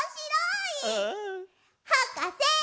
はかせ！